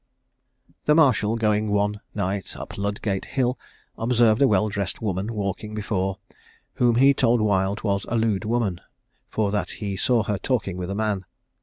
"The marshal going one night up Ludgate Hill, observed a well dressed woman walking before, whom he told Wild was a lewd woman, for that he saw her talking with a man.